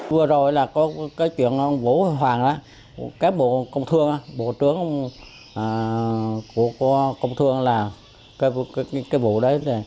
vừa rồi là có cái chuyện ông vũ hoàng cái bộ công thương bộ trưởng của công thương là cái bộ đấy